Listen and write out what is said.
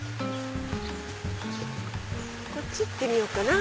こっち行ってみようかな。